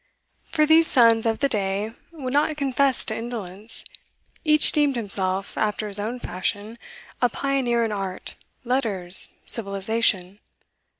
For these sons of the Day would not confess to indolence; each deemed himself, after his own fashion, a pioneer in art, letters, civilisation.